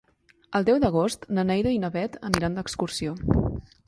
El deu d'agost na Neida i na Bet aniran d'excursió.